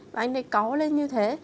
và anh ấy cáu lên như thế